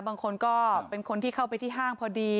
บางคนก็เป็นคนที่เข้าไปที่ห้างพอดี